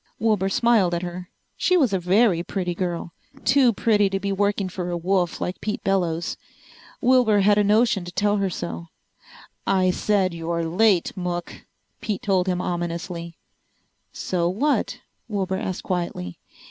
Wilbur smiled at her. She was a very pretty girl. Too pretty to be working for a wolf like Pete Bellows. Wilbur had a notion to tell her so. "I said you're late, Mook," Pete told him ominously. "So what?" Wilbur asked quietly.